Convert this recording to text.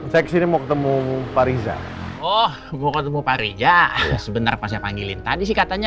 saya kesini mau ketemu pak riza oh gue ketemu pak riza sebentar pas saya panggilin tadi sih katanya